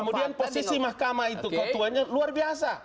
kemudian posisi mahkamah itu ketuanya luar biasa